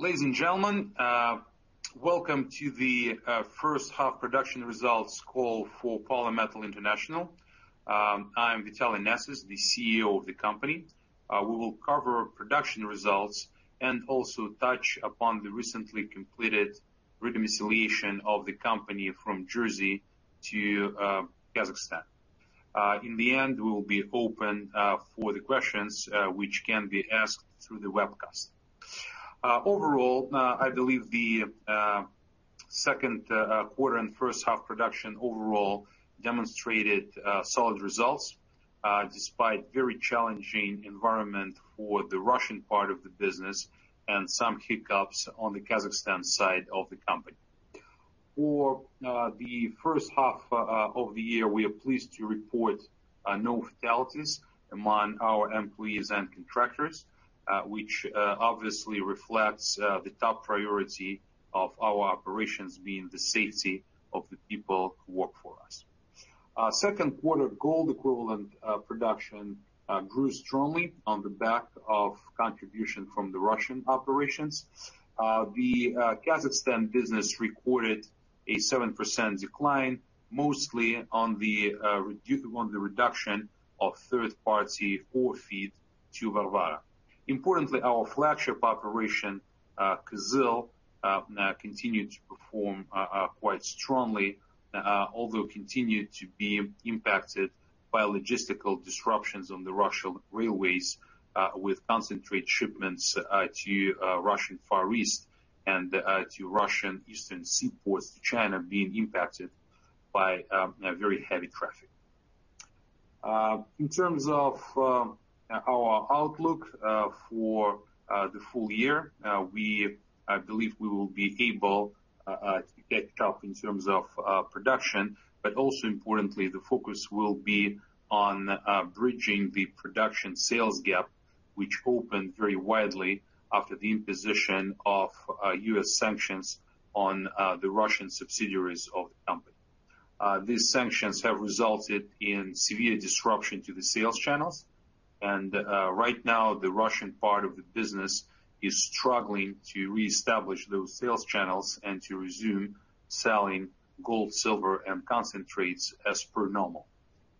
Ladies and gentlemen, welcome to the first half production results call for Polymetal International. I'm Vitaly Nesis, the CEO of the company. We will cover production results and also touch upon the recently completed redomiciliation of the company from Jersey to Kazakhstan. In the end, we will be open for the questions, which can be asked through the webcast. Overall, I believe the second quarter and first half production overall demonstrated solid results, despite very challenging environment for the Russian part of the business and some hiccups on the Kazakhstan side of the company. For the first half of the year, we are pleased to report no fatalities among our employees and contractors, which obviously reflects the top priority of our operations being the safety of the people who work for us. Second quarter gold equivalent production grew strongly on the back of contribution from the Russian operations. The Kazakhstan business recorded a 7% decline, mostly on the reduction of third-party ore feed to Varvara. Importantly, our flagship operation, Kyzyl, continued to perform quite strongly, although continued to be impacted by logistical disruptions on the Russian railways, with concentrate shipments to Russian Far East and to Russian eastern seaports to China being impacted by a very heavy traffic. In terms of our outlook for the full year, I believe we will be able to get tough in terms of production, but also importantly, the focus will be on bridging the production sales gap, which opened very widely after the imposition of US sanctions on the Russian subsidiaries of the company. These sanctions have resulted in severe disruption to the sales channels, and right now, the Russian part of the business is struggling to reestablish those sales channels and to resume selling gold, silver, and concentrates as per normal.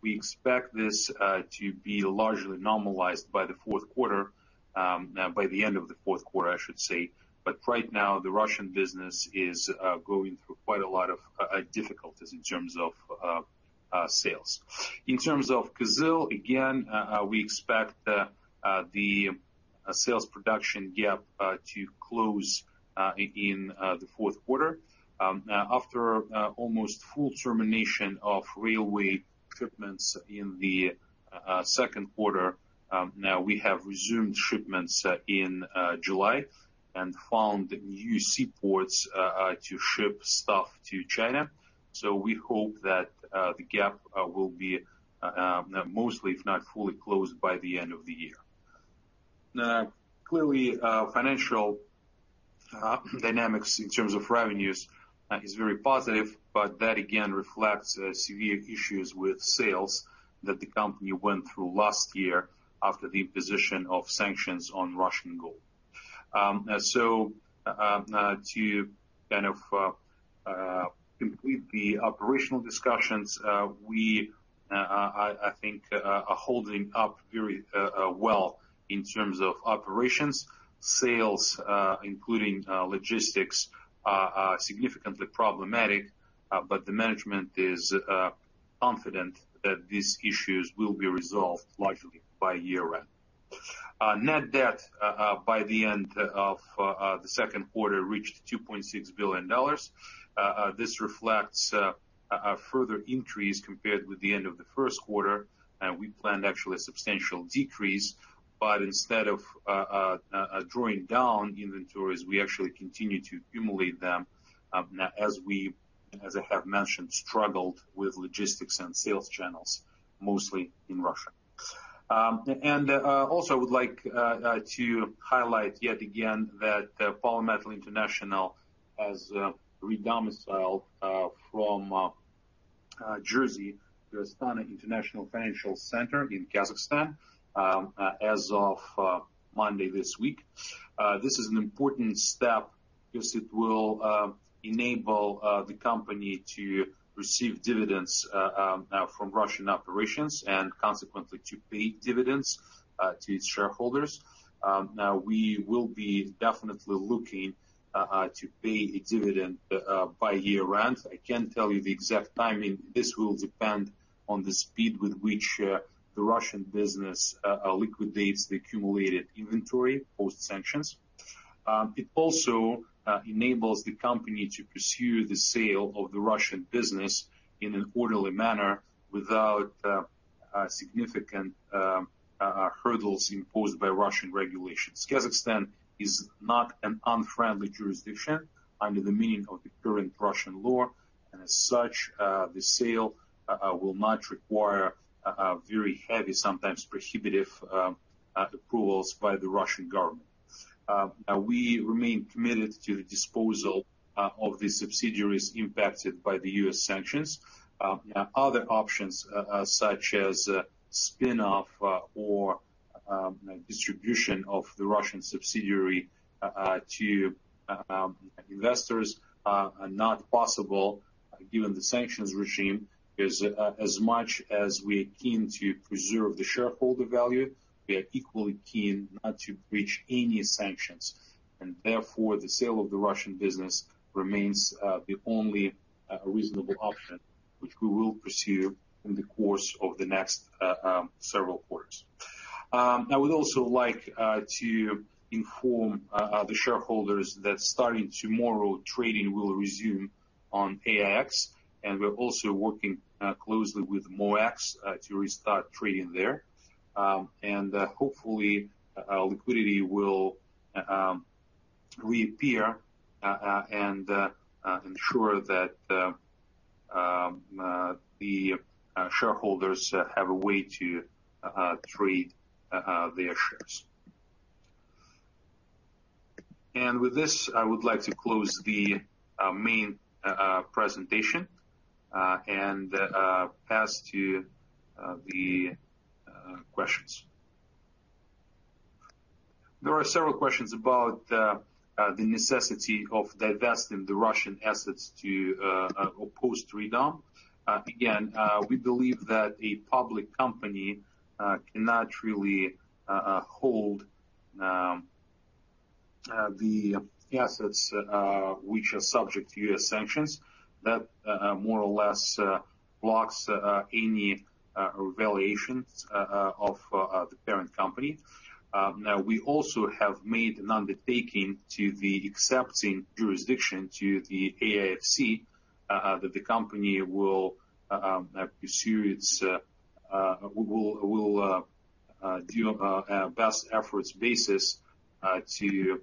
We expect this to be largely normalized by the fourth quarter, by the end of the fourth quarter, I should say. But right now, the Russian business is going through quite a lot of difficulties in terms of sales. In terms of Kyzyl, again, we expect the sales production gap to close in the fourth quarter. After almost full termination of railway shipments in the second quarter, now we have resumed shipments in July and found new seaports to ship stuff to China. We hope that the gap will be mostly, if not fully closed by the end of the year. Clearly, financial dynamics in terms of revenues is very positive, but that, again, reflects severe issues with sales that the company went through last year after the imposition of sanctions on Russian gold. To kind of complete the operational discussions, we I think are holding up very well in terms of operations. Sales, including logistics, are significantly problematic, but the management is confident that these issues will be resolved largely by year-end. Net debt by the end of the second quarter reached $2.6 billion. This reflects a further increase compared with the end of the first quarter. We planned actually a substantial decrease, but instead of drawing down inventories, we actually continued to accumulate them, as we, as I have mentioned, struggled with logistics and sales channels, mostly in Russia. Also would like to highlight yet again that Polymetal International has redomiciled from Jersey to Astana International Financial Centre in Kazakhstan as of Monday this week. This is an important step because it will enable the company to receive dividends from Russian operations and consequently to pay dividends to its shareholders. Now, we will be definitely looking to pay a dividend by year-end. I can't tell you the exact timing. This will depend on the speed with which the Russian business liquidates the accumulated inventory post-sanctions. It also enables the company to pursue the sale of the Russian business in an orderly manner without significant hurdles imposed by Russian regulations. Kazakhstan is not an unfriendly jurisdiction under the meaning of the current Russian law, and as such, the sale will not require very heavy, sometimes prohibitive, approvals by the Russian government. We remain committed to the disposal of the subsidiaries impacted by the U.S. sanctions. Other options, such as spin-off or distribution of the Russian subsidiary to investors, are not possible given the sanctions regime, because as much as we are keen to preserve the shareholder value, we are equally keen not to breach any sanctions. Therefore, the sale of the Russian business remains the only reasonable option, which we will pursue in the course of the next several quarters. I would also like to inform the shareholders that starting tomorrow, trading will resume on AIX, and we're also working closely with MOEX to restart trading there. Hopefully, liquidity will reappear and ensure that the shareholders have a way to trade their shares. With this, I would like to close the main presentation and pass to the questions. There are several questions about the necessity of divesting the Russian assets to post-redom. We believe that a public company cannot really hold the assets which are subject to U.S. sanctions. That more or less blocks any valuations of the parent company. Now, we also have made an undertaking to the accepting jurisdiction to the AIFC that the company will pursue its will, will do a best efforts basis to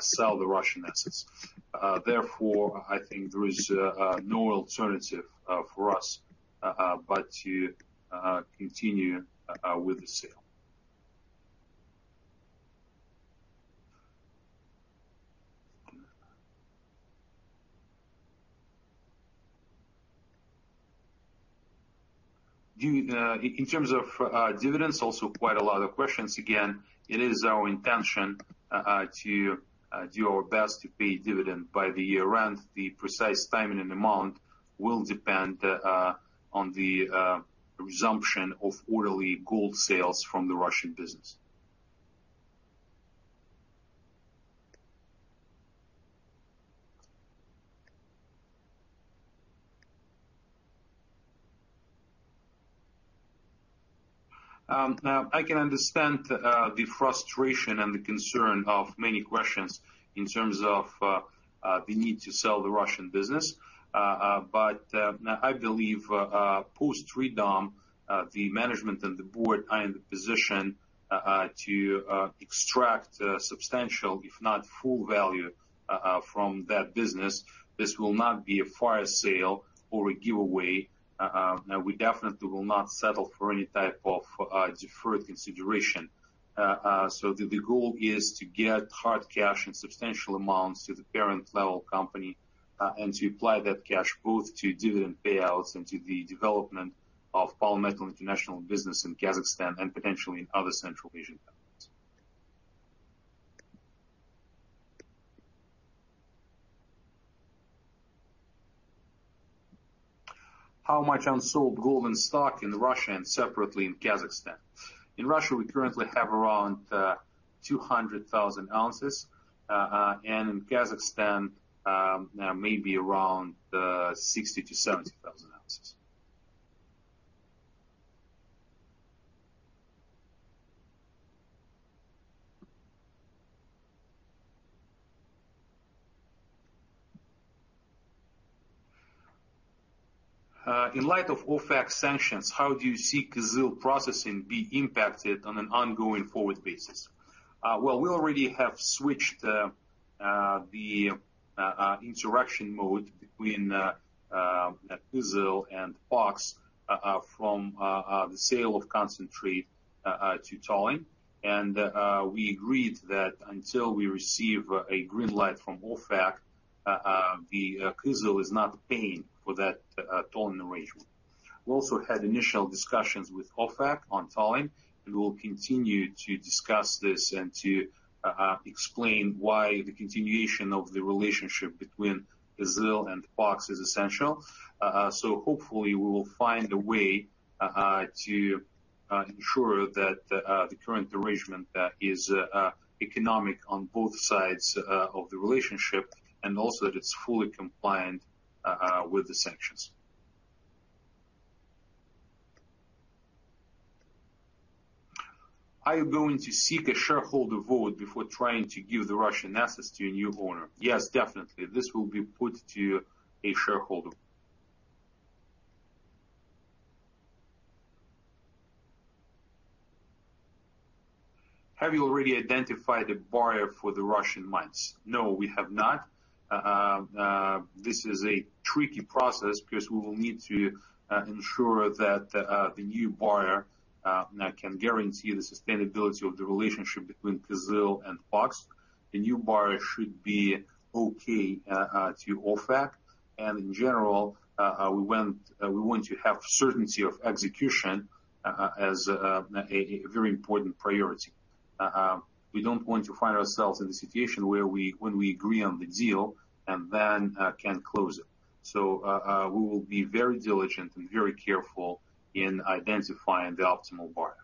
sell the Russian assets. Therefore, I think there is no alternative for us but to continue with the sale. In terms of dividends, also quite a lot of questions. Again, it is our intention to do our best to pay dividend by the year-end. The precise timing and amount will depend on the resumption of orderly gold sales from the Russian business. Now, I can understand the frustration and the concern of many questions in terms of the need to sell the Russian business. I believe post-REDOM, the management and the board are in the position to extract substantial, if not full value, from that business. This will not be a fire sale or a giveaway. We definitely will not settle for any type of deferred consideration. The, the goal is to get hard cash and substantial amounts to the parent level company and to apply that cash both to dividend payouts and to the development of Polymetal International business in Kazakhstan and potentially in other Central Asian countries. How much unsold gold and stock in Russia and separately in Kazakhstan? In Russia, we currently have around 200,000 oz and in Kazakhstan maybe around 60,000 oz-70,000 oz. In light of OFAC sanctions, how do you see Kyzyl processing be impacted on an ongoing forward basis? Well, we already have switched the interaction mode between Kyzyl and POX from the sale of concentrate to tolling. We agreed that until we receive a green light from OFAC, Kyzyl is not paying for that tolling arrangement. We also had initial discussions with OFAC on tolling, and we will continue to discuss this and to explain why the continuation of the relationship between Kyzyl and POX is essential. Hopefully, we will find a way to ensure that the current arrangement is economic on both sides of the relationship, and also that it's fully compliant with the sanctions. Are you going to seek a shareholder vote before trying to give the Russian assets to a new owner? Yes, definitely. This will be put to a shareholder. Have you already identified a buyer for the Russian mines? No, we have not. This is a tricky process because we will need to ensure that the new buyer can guarantee the sustainability of the relationship between Kyzyl and POX. The new buyer should be okay to OFAC. In general, we want we want to have certainty of execution as a very important priority. We don't want to find ourselves in a situation where when we agree on the deal and then can't close it. We will be very diligent and very careful in identifying the optimal buyer.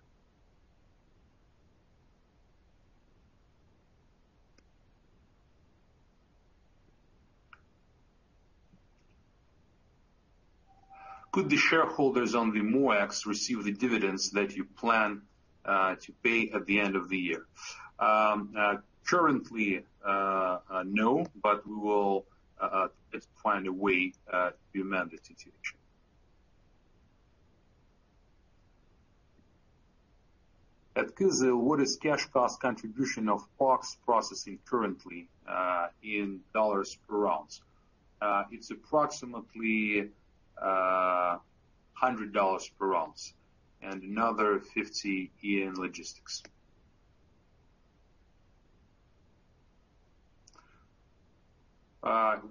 Could the shareholders on the MOEX receive the dividends that you plan to pay at the end of the year? Currently, no, we will find a way to amend the situation. At Kyzyl, what is cash cost contribution of POX processing currently in dollars per ounce? It's approximately $100 per ounce and another $50 in logistics.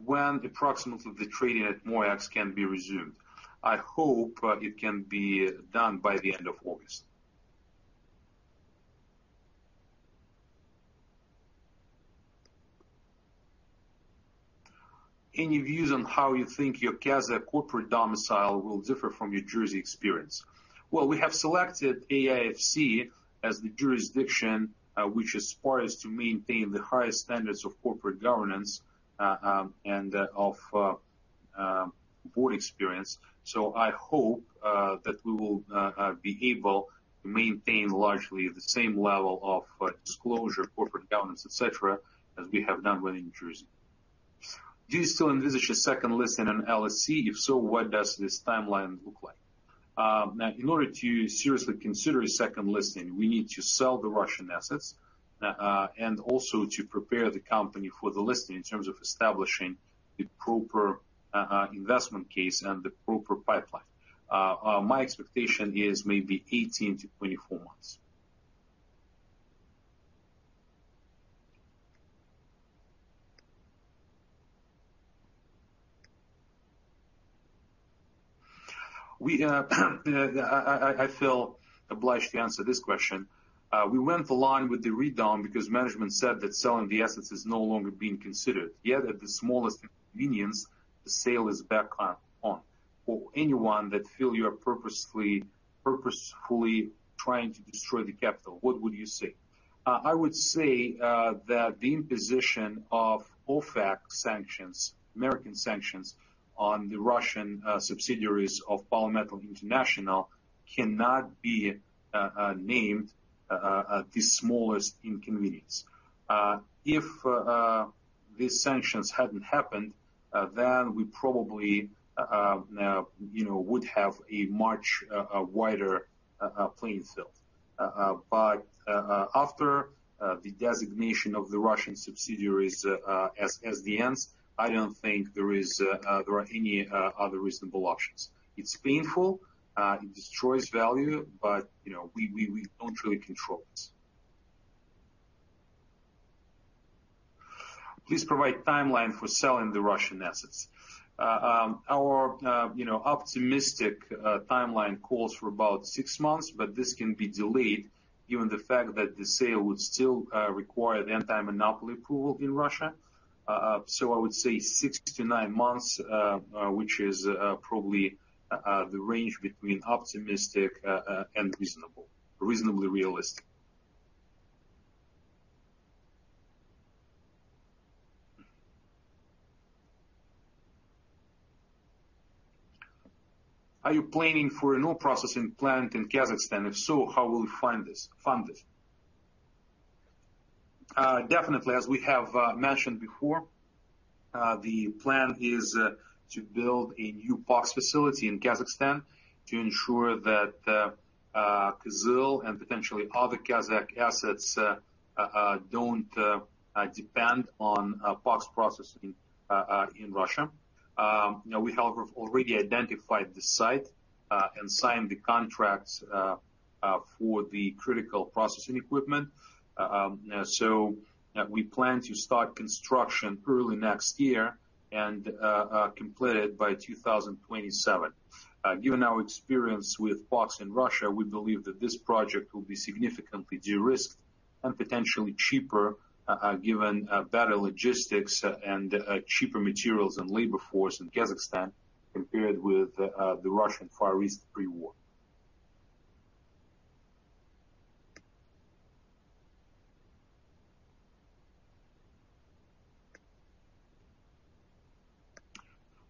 When approximately the trading at MOEX can be resumed? I hope it can be done by the end of August. Any views on how you think your Kazakh corporate domicile will differ from your Jersey experience? Well, we have selected AIFC as the jurisdiction, which is for us to maintain the highest standards of corporate governance, and of board experience. I hope that we will be able to maintain largely the same level of disclosure, corporate governance, et cetera, as we have done within Jersey. Do you still envisage a second listing on LSE? If so, what does this timeline look like? In order to seriously consider a second listing, we need to sell the Russian assets, and also to prepare the company for the listing in terms of establishing the proper investment case and the proper pipeline. My expectation is maybe 18-24 months. We, I feel obliged to answer this question. We went along with the redom because management said that selling the assets is no longer being considered. At the smallest inconvenience, the sale is back on. For anyone that feel you are purposefully, purposefully trying to destroy the capital, what would you say? I would say that the imposition of OFAC sanctions, U.S. sanctions, on the Russian subsidiaries of Polymetal International cannot be named the smallest inconvenience. If these sanctions hadn't happened, then we probably, you know, would have a much wider playing field. After the designation of the Russian subsidiaries as SDNs, I don't think there is there are any other reasonable options. It's painful, it destroys value, but, you know, we, we, we don't really control this. Please provide timeline for selling the Russian assets. Our, you know, optimistic timeline calls for about six months, but this can be delayed given the fact that the sale would still require an anti-monopoly approval in Russia. So I would say six to nine months, which is probably the range between optimistic and reasonable, reasonably realistic. Are you planning for a new processing plant in Kazakhstan? If so, how will we fund it? Definitely, as we have mentioned before, the plan is to build a new POX facility in Kazakhstan to ensure that Kyzyl and potentially other Kazakh assets don't depend on POX processing in Russia. You know, we have already identified the site and signed the contracts for the critical processing equipment. We plan to start construction early next year and complete it by 2027. Given our experience with POX in Russia, we believe that this project will be significantly de-risked and potentially cheaper, given better logistics and cheaper materials and labor force in Kazakhstan, compared with the Russian Far East pre-war.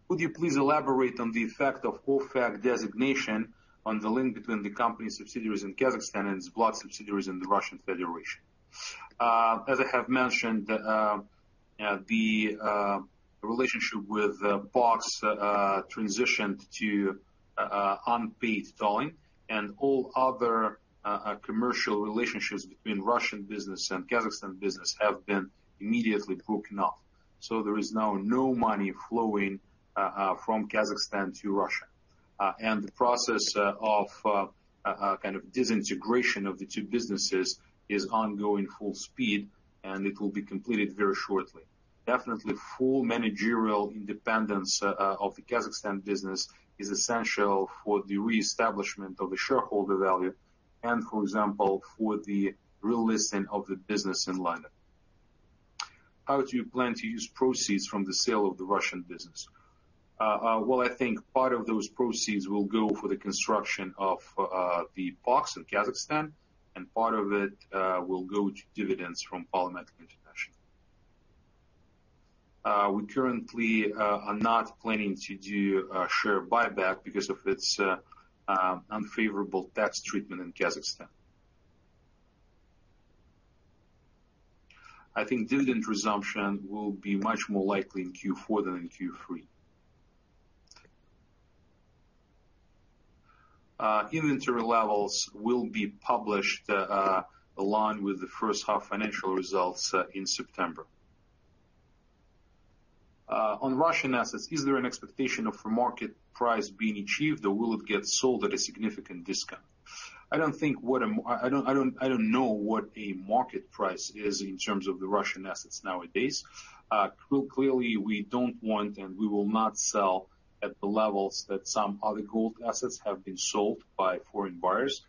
Would you please elaborate on the effect of OFAC designation on the link between the company's subsidiaries in Kazakhstan and its block subsidiaries in the Russian Federation? As I have mentioned, the relationship with POX transitioned to unpaid tolling, and all other commercial relationships between Russian business and Kazakhstan business have been immediately broken off. There is now no money flowing from Kazakhstan to Russia. The process of disintegration of the two businesses is ongoing full speed, and it will be completed very shortly. Definitely full managerial independence of the Kazakhstan business is essential for the reestablishment of the shareholder value and, for example, for the relisting of the business in line. How do you plan to use proceeds from the sale of the Russian business? Well, I think part of those proceeds will go for the construction of the POX in Kazakhstan, and part of it will go to dividends from Polymetal International. We currently are not planning to do a share buyback because of its unfavorable tax treatment in Kazakhstan. I think dividend resumption will be much more likely in Q4 than in Q3. Inventory levels will be published along with the first half financial results in September. On Russian assets, is there an expectation of a market price being achieved, or will it get sold at a significant discount? I don't think I don't, I don't, I don't know what a market price is in terms of the Russian assets nowadays. Clearly, we don't want, and we will not sell at the levels that some other gold assets have been sold by foreign buyers.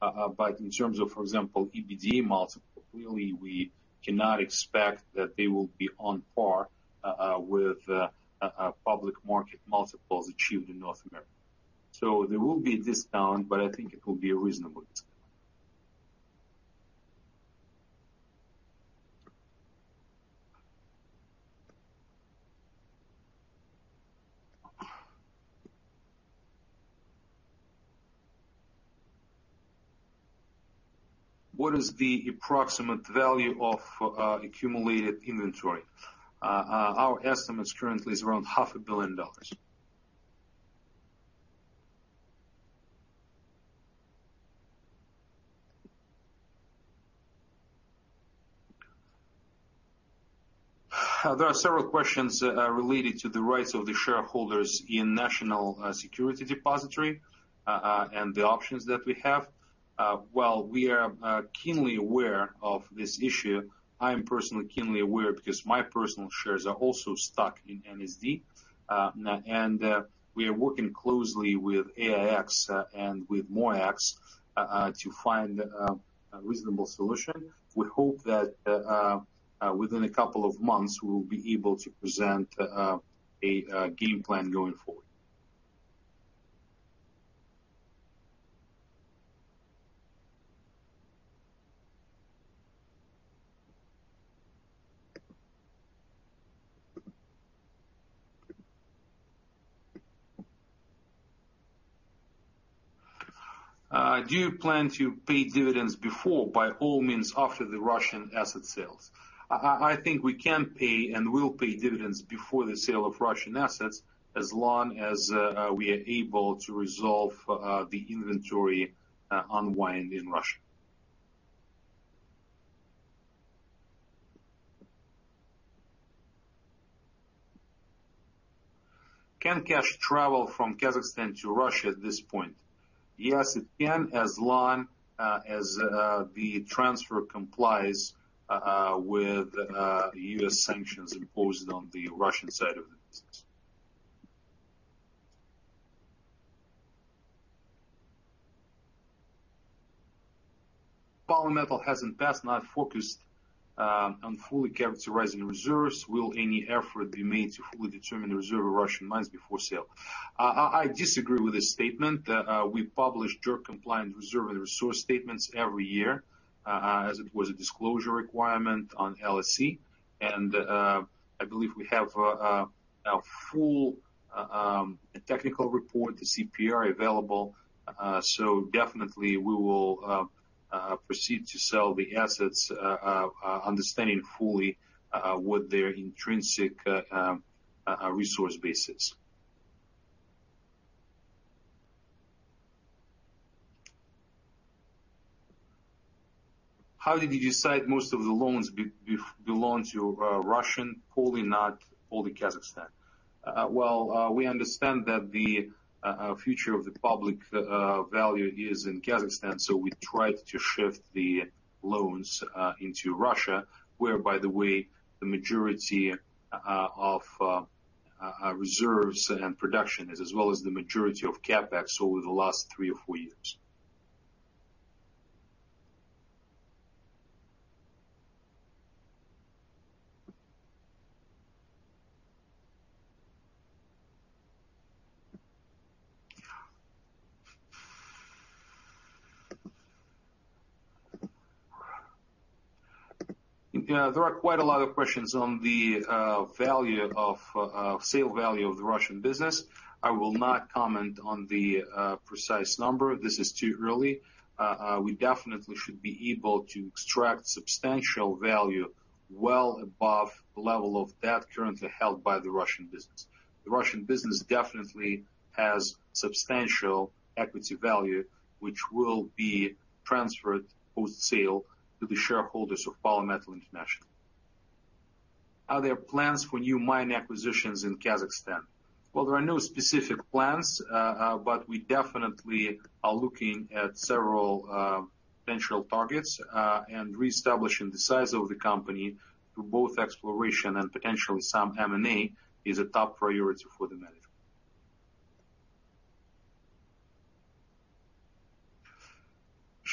But in terms of, for example, EBITDA multiple, clearly, we cannot expect that they will be on par with a public market multiples achieved in North America. There will be a discount, but I think it will be a reasonable discount. What is the approximate value of accumulated inventory? Our estimate currently is around $500 million. There are several questions related to the rights of the shareholders in National Settlement Depository and the options that we have. While we are keenly aware of this issue, I am personally keenly aware because my personal shares are also stuck in NSD. We are working closely with AIX and with MOEX to find a reasonable solution. We hope that within a couple of months, we'll be able to present a game plan going forward. Do you plan to pay dividends before, by all means, after the Russian asset sales? I think we can pay and will pay dividends before the sale of Russian assets, as long as we are able to resolve the inventory unwind in Russia. Can cash travel from Kazakhstan to Russia at this point? Yes, it can, as long as the transfer complies with the U.S. sanctions imposed on the Russian side of the business. Polymetal has in the past not focused on fully characterizing reserves. Will any effort be made to fully determine the reserve of Russian mines before sale? I disagree with this statement. We publish JORC-compliant reserve and resource statements every year as it was a disclosure requirement on LSE. I believe we have a full technical report, the CPR, available. Definitely we will proceed to sell the assets, understanding fully what their intrinsic resource base is. How did you decide most of the loans belong to Russian, wholly not, wholly Kazakhstan? Well, we understand that the future of the public value is in Kazakhstan, so we tried to shift the loans into Russia, where, by the way, the majority of reserves and production, as well as the majority of CapEx over the last three or four years. There are quite a lot of questions on the value of sale value of the Russian business. I will not comment on the precise number. This is too early. We definitely should be able to extract substantial value well above the level of debt currently held by the Russian business. The Russian business definitely has substantial equity value, which will be transferred post-sale to the shareholders of Polymetal International. Are there plans for new mine acquisitions in Kazakhstan? Well, there are no specific plans, but we definitely are looking at several potential targets, and reestablishing the size of the company through both exploration and potentially some M&A is a top priority for the management.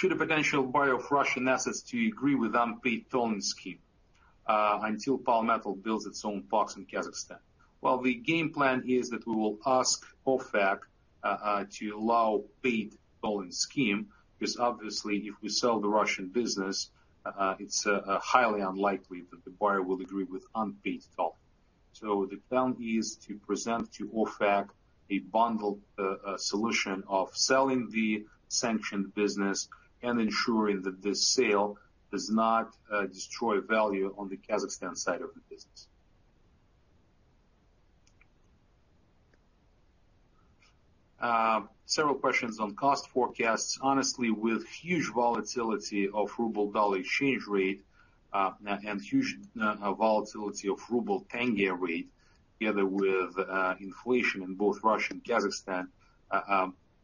Should a potential buyer of Russian assets to agree with unpaid tolling scheme until Polymetal builds its own POX in Kazakhstan? The game plan is that we will ask OFAC to allow paid tolling scheme, because obviously, if we sell the Russian business, it's highly unlikely that the buyer will agree with unpaid toll. The plan is to present to OFAC a bundle solution of selling the sanctioned business and ensuring that the sale does not destroy value on the Kazakhstan side of the business. Several questions on cost forecasts. Honestly, with huge volatility of ruble dollar exchange rate, and huge volatility of ruble tenge rate, together with inflation in both Russia and Kazakhstan,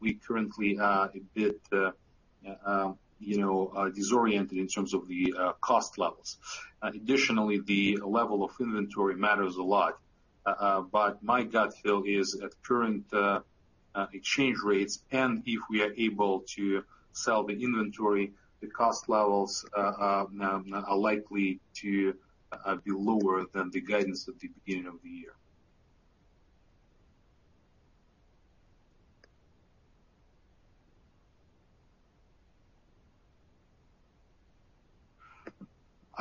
we currently are a bit, you know, disoriented in terms of the cost levels. Additionally, the level of inventory matters a lot. My gut feel is at current exchange rates, and if we are able to sell the inventory, the cost levels are likely to be lower than the guidance at the beginning of the year.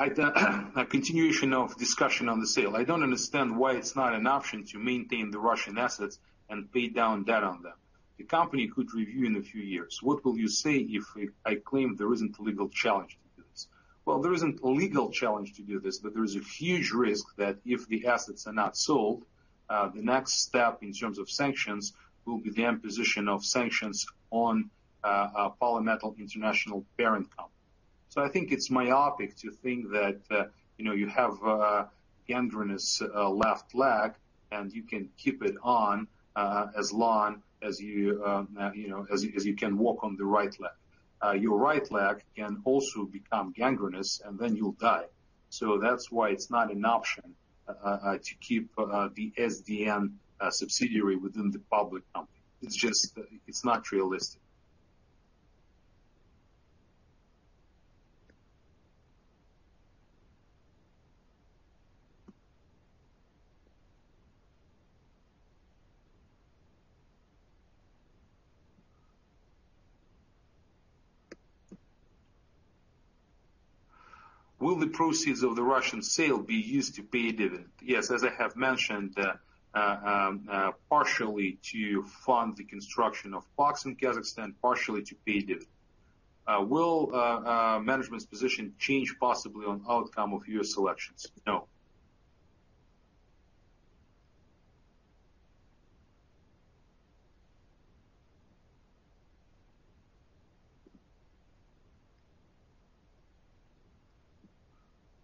A continuation of discussion on the sale. I don't understand why it's not an option to maintain the Russian assets and pay down debt on them. The company could review in a few years. What will you say if I claim there isn't a legal challenge to do this? Well, there isn't a legal challenge to do this, but there is a huge risk that if the assets are not sold, the next step in terms of sanctions will be the imposition of sanctions on Polymetal International parent company. I think it's myopic to think that, you know, you have gangrenous left leg, and you can keep it on as long as you, you know, as you, as you can walk on the right leg. Your right leg can also become gangrenous, and then you'll die. That's why it's not an option to keep the SDN subsidiary within the public company. It's just, it's not realistic. Will the proceeds of the Russian sale be used to pay dividend? Yes, as I have mentioned, partially to fund the construction of POX in Kazakhstan, partially to pay dividend. Will management's position change possibly on outcome of U.S. elections? No.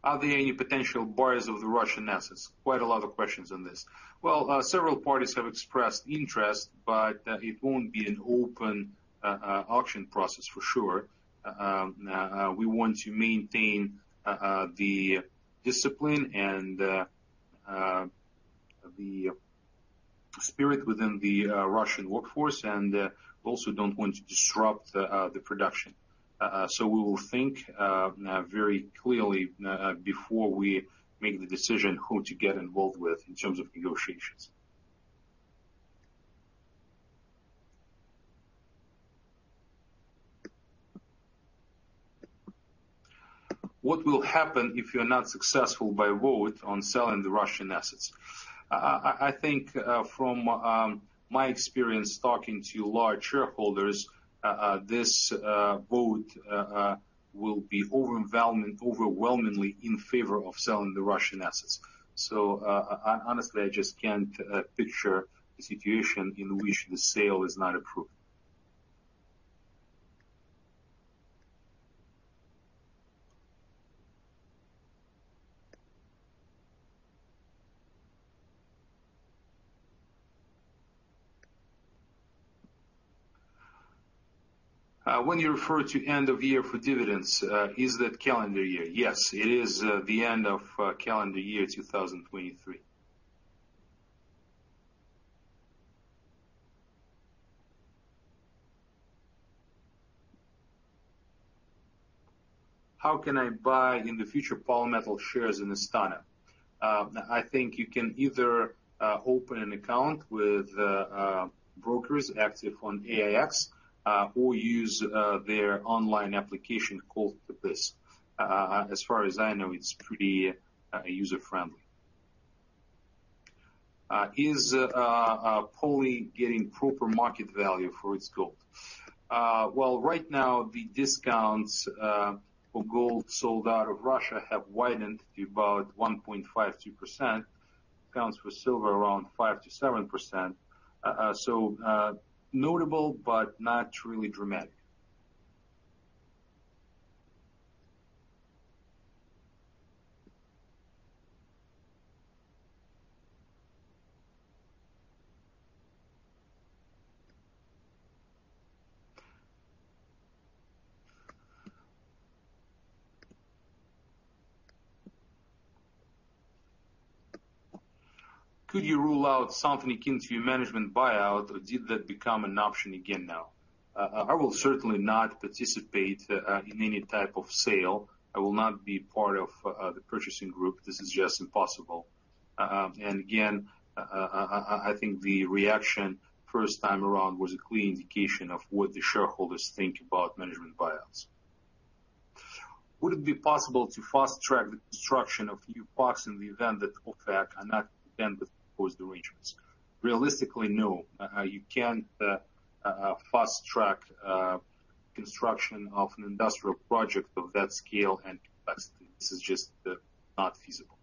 Are there any potential buyers of the Russian assets? Quite a lot of questions on this. Several parties have expressed interest, but it won't be an open auction process for sure. We want to maintain the discipline and the spirit within the Russian workforce, and also don't want to disrupt the production. We will think very clearly before we make the decision who to get involved with in terms of negotiations. What will happen if you're not successful by vote on selling the Russian assets? I think from my experience talking to large shareholders, this vote will be overwhelmingly in favor of selling the Russian assets. Honestly, I just can't picture a situation in which the sale is not approved. When you refer to end of year for dividends, is that calendar year? Yes, it is the end of calendar year 2023. How can I buy in the future Polymetal shares in Astana? I think you can either open an account with brokers active on AIX, or use their online application called Tabys. As far as I know, it's pretty user friendly. Is Poly getting proper market value for its gold? Well, right now, the discounts for gold sold out of Russia have widened to about 1.52%, discounts for silver around 5%-7%. Notable, but not really dramatic. Could you rule out something akin to a management buyout, or did that become an option again now? I will certainly not participate in any type of sale. I will not be part of the purchasing group. This is just impossible. I, I think the reaction first time around was a clear indication of what the shareholders think about management buyouts. Would it be possible to fast-track the construction of new POX in the event that OFAC is not content with the proposed arrangements? Realistically, no. You can't fast-track construction of an industrial project of that scale and capacity. This is just not feasible.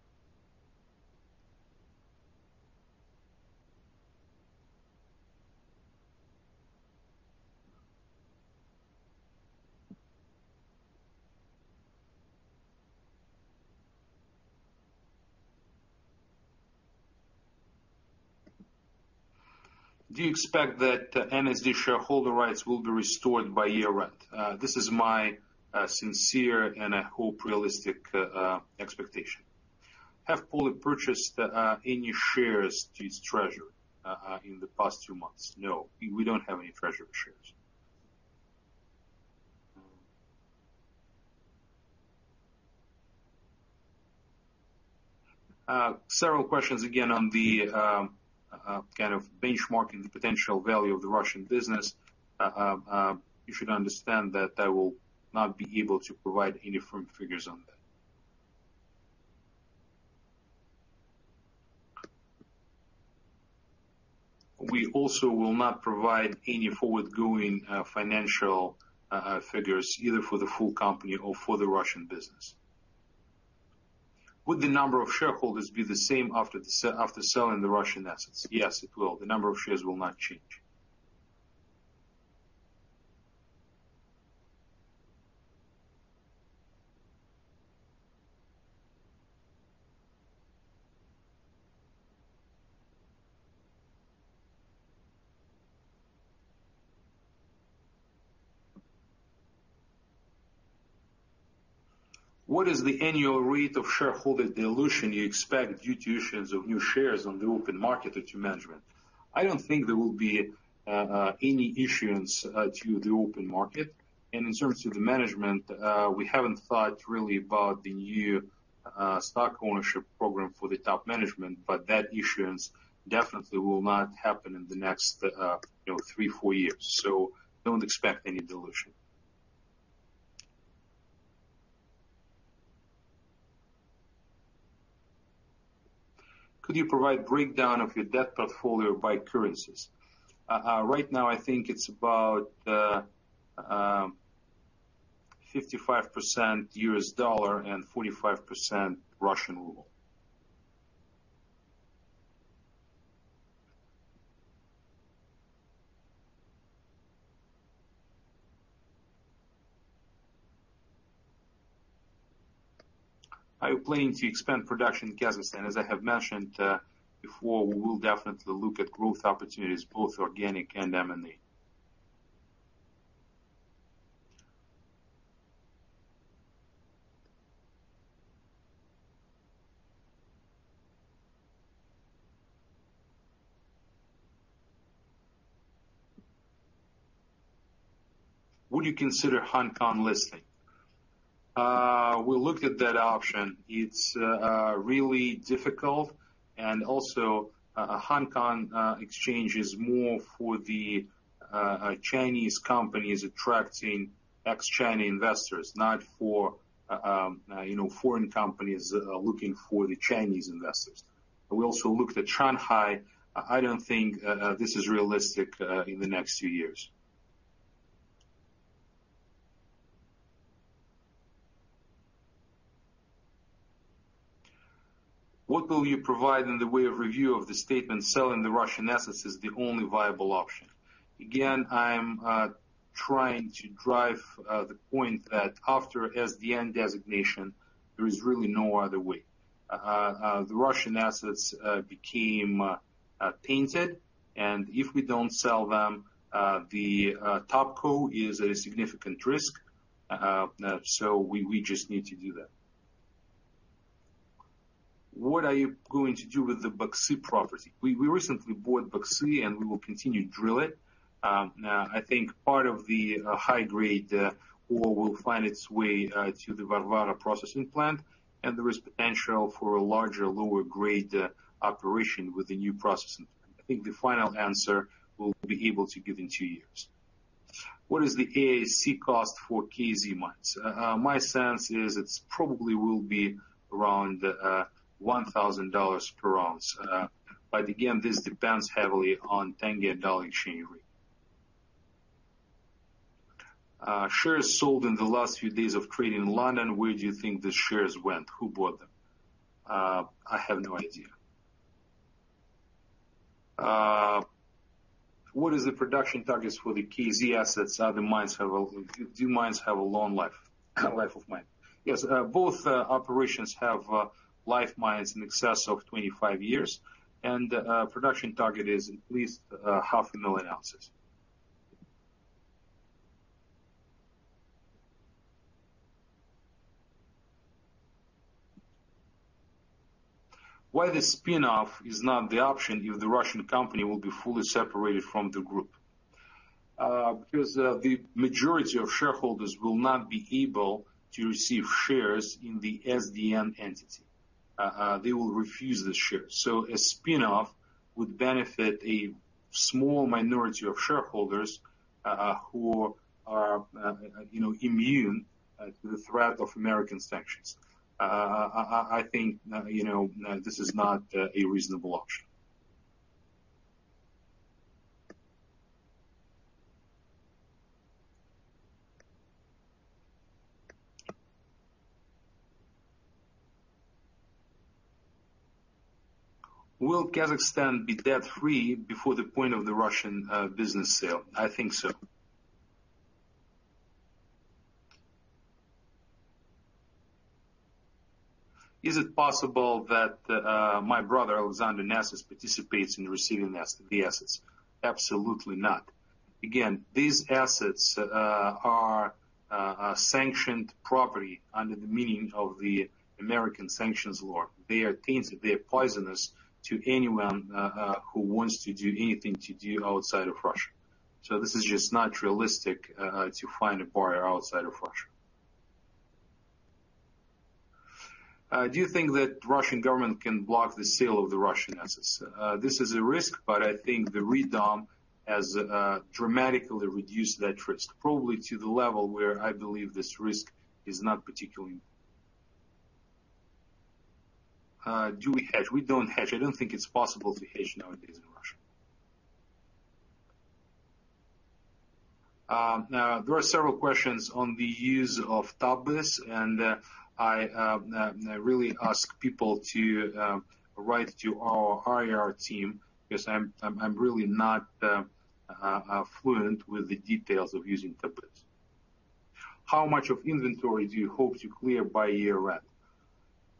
Do you expect that NSD shareholder rights will be restored by year-end? This is my sincere, and I hope realistic, expectation. Have Polymetal purchased any shares to its treasury in the past two months? No, we, we don't have any treasury shares. Several questions again on the kind of benchmarking the potential value of the Russian business. You should understand that I will not be able to provide any firm figures on that. We also will not provide any forward-going financial figures, either for the full company or for the Russian business. Would the number of shareholders be the same after selling the Russian assets? Yes, it will. The number of shares will not change. What is the annual rate of shareholder dilution you expect due to issuance of new shares on the open market or to management? I don't think there will be any issuance to the open market. In terms of the management, we haven't thought really about the new stock ownership program for the top management, but that issuance definitely will not happen in the next, you know, three, four years. Don't expect any dilution. Could you provide breakdown of your debt portfolio by currencies? Right now, I think it's about 55% US dollar and 45% Russian ruble. Are you planning to expand production in Kazakhstan? As I have mentioned, before, we will definitely look at growth opportunities, both organic and M&A. Would you consider Hong Kong listing? We looked at that option. It's really difficult. Also, Hong Kong exchange is more for the Chinese companies attracting ex-China investors, not for, you know, foreign companies looking for the Chinese investors. We also looked at Shanghai. I don't think this is realistic in the next few years. What will you provide in the way of review of the statement, "Selling the Russian assets is the only viable option?" I'm trying to drive the point that after SDN designation, there is really no other way. The Russian assets became tainted, if we don't sell them, the top co is a significant risk. We just need to do that. What are you going to do with the Baksy property? We recently bought Baksy, we will continue to drill it. I think part of the high-grade ore will find its way to the Varvara processing plant, and there is potential for a larger, lower-grade operation with the new processing. I think the final answer we'll be able to give in two years. What is the AISC cost for KZ mines? My sense is it's probably will be around $1,000 per ounce. But again, this depends heavily on tenge and dollar exchange rate. Shares sold in the last few days of trading in London, where do you think the shares went? Who bought them? I have no idea. What is the production targets for the KZ assets? Do mines have a long life, life of mine? Yes, both operations have life mines in excess of 25 years, and production target is at least 500,000 oz. Why the spinoff is not the option if the Russian company will be fully separated from the group? Because the majority of shareholders will not be able to receive shares in the SDN entity. They will refuse the shares. So a spinoff would benefit a small minority of shareholders, who are, you know, immune to the threat of American sanctions. I think, you know, this is not a reasonable option. Will Kazakhstan be debt-free before the point of the Russian business sale? I think so. Is it possible that my brother, Alexander Nesis, participates in receiving the assets? Absolutely not. These assets are sanctioned property under the meaning of the American sanctions law. They are tainted, they are poisonous to anyone who wants to do anything to do outside of Russia. This is just not realistic to find a buyer outside of Russia. Do you think that Russian government can block the sale of the Russian assets? This is a risk, but I think the redom has dramatically reduced that risk, probably to the level where I believe this risk is not particularly. Do we hedge? We don't hedge. I don't think it's possible to hedge nowadays in Russia. There are several questions on the use of Tabys, and I really ask people to write to our IR team, because I'm, I'm, I'm really not fluent with the details of using Tabys. How much of inventory do you hope to clear by year-end?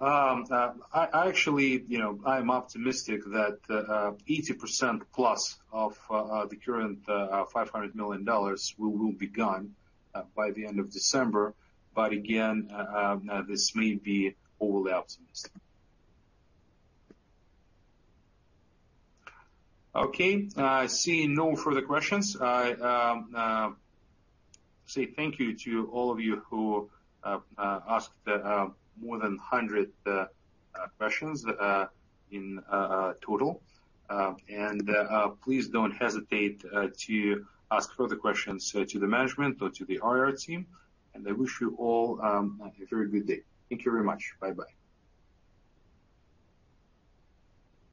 I actually, you know, I'm optimistic that 80%+ of the current $500 million will be gone by the end of December. Again, this may be overly optimistic. Okay, I see no further questions. I say thank you to all of you who asked more than 100 questions in total. Please don't hesitate to ask further questions to the management or to the IR team. I wish you all, a very good day. Thank you very much. Bye-bye.